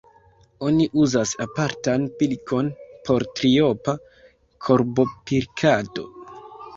Oni uzas apartan pilkon por triopa korbopilkado.